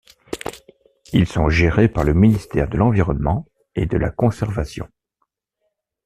Ils sont gérés par le ministère de l'Environnement et de la Conservation.